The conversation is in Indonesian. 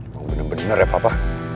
mau bener bener ya papa